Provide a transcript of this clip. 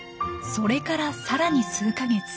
それからさらに数か月。